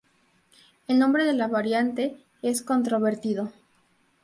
El nombre de la variante es controvertido.